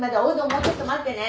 もうちょっと待ってね。